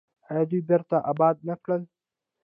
آیا دوی بیرته اباد نه کړل؟